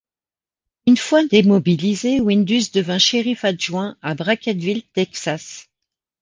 Une fois démobilisé, Windus devint shérif adjoint à Brackettville, Texas.